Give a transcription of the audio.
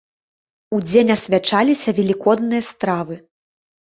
Удзень асвячаліся велікодныя стравы.